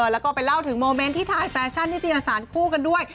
แล้วก็ไปเล่าถึงโมเมนต์ที่ถ่ายแฟชั่นนิตยสารคู่กันด้วย